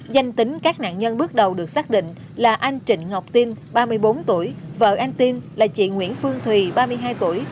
danh tính các nạn nhân bước đầu được xác định là anh trịnh ngọc tin ba mươi bốn tuổi vợ anh tin là chị nguyễn phương thùy ba mươi hai tuổi